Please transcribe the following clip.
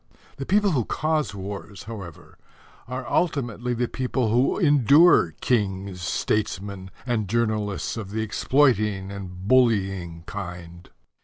The people who cause wars, however, are ultimately the people who endure kings, statesmen and journalists of the exploiting and bullying kind.